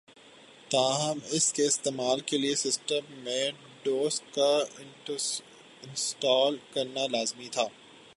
تاہم اس کے استعمال کے لئے سسٹم میں ڈوس کا انسٹال کرنا لازمی تھا